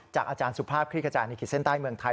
จากอาจารย์สุภาพคิกจัยาธินิขิตใส้ใต้เมืองไทย